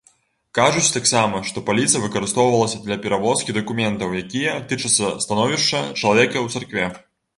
Кажуць таксама, што паліца выкарыстоўвалася для перавозкі дакументаў, якія тычацца становішча чалавека ў царкве.